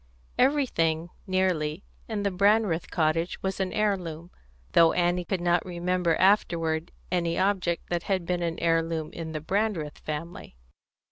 Everything, nearly, in the Brandreth cottage was an heirloom, though Annie could not remember afterward any object that had been an heirloom in the Brandreth family.